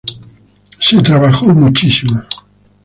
Se trabajó muchísimo.